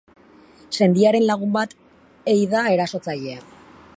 Sendiaren lagun bat ei da erasotzailea.